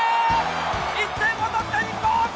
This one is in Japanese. １点を取った日本！